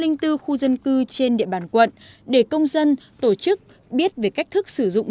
hãy đăng ký kênh từ khu dân cư trên địa bàn quận để công dân tổ chức biết về cách thức sử dụng